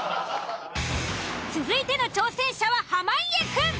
続いての挑戦者は濱家くん。